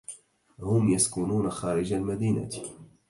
هم يسكنون خارج المدينة.